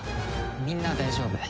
みんなは大丈夫。